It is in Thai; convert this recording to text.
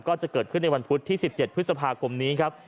ก็จะเกิดขึ้นในวันพุธที่๑๗พฤษภาคมนี้ครับ